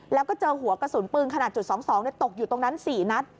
แล้วก็เจอหัวกระสุนปืนขนาดจุด๒๒ตกอยู่ตรงนั้น๔นัด